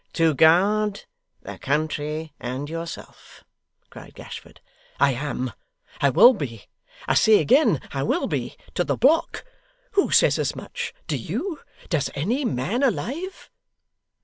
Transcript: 'To God, the country, and yourself,' cried Gashford. 'I am. I will be. I say again, I will be: to the block. Who says as much! Do you? Does any man alive?